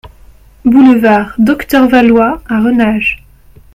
Boulevard Docteur Valois à Renage